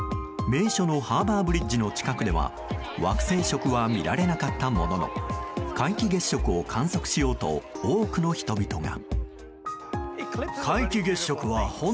名所のハーバーブリッジの近くでは惑星食は見られなかったものの皆既月食を観測しようと多くの人々が。